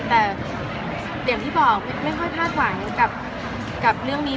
แต่อย่างที่บอกไม่ค่อยคาดหวังกับเรื่องนี้